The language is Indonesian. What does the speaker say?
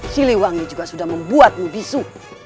siliwangi juga sudah membuatmu bisu